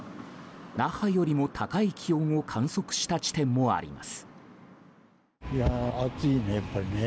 那覇よりも高い気温を観測した地点もあります。